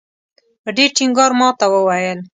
په ډېر ټینګار ماته وویل.